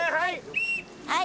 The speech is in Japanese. はい。